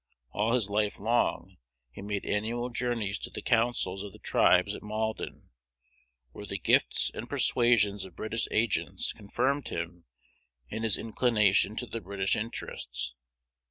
All his life long he made annual journeys to the councils of the tribes at Malden, where the gifts and persuasions of British agents confirmed him in his inclination to the British interests.